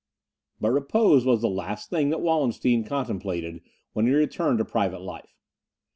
But repose was the last thing that Wallenstein contemplated when he returned to private life.